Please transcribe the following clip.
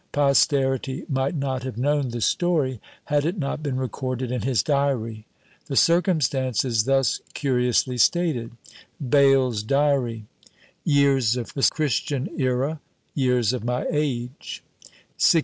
Posterity might not have known the story, had it not been recorded in his Diary. The circumstance is thus curiously stated: BAYLE'S DIARY. Years of the Years Christian of my Ãra age.